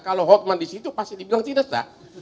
kalau hockman disitu pasti dibilang tidak sah